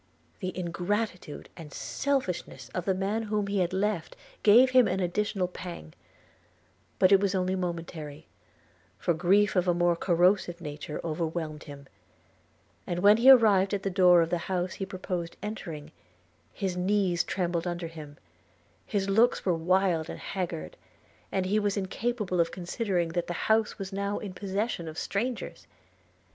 The ingratitude and selfishness of the man whom he had left gave him an additional pang; but it was only momentary, for grief of a more corrosive nature overwhelmed him; and when he arrived at the door of the house he proposed entering, his knees trembled under him; his looks were wild and haggard; and he was incapable of considering that the house was now in possession of strangers.